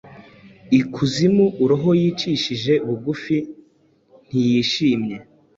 Ikuzimu-roho yicishije bugufi ntiyishimye